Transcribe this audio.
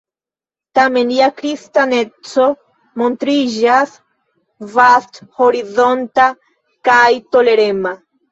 Tamen lia kristaneco montriĝas vasthorizonta kaj tolerema.